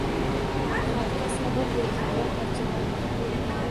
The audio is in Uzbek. Xalqqa sabr bergin va parcha non ber